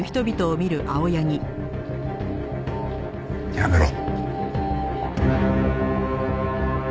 やめろ。